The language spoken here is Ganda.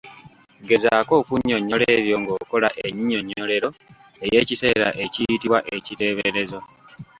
Gezaako okunnyonnyola ebyo ng’okola ennyinyonnyolero ey’ekiseera eyitibwa ekiteeberezo.